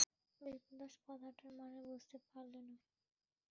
বিপ্রদাস কথাটার মানে বুঝতে পারলে না।